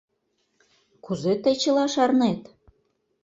— Кузе тый чыла шарнет?